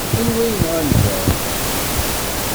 Anwa ay yenɣan Tom?